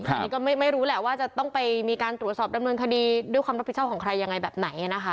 อันนี้ก็ไม่รู้แหละว่าจะต้องไปมีการตรวจสอบดำเนินคดีด้วยความรับผิดชอบของใครยังไงแบบไหนนะคะ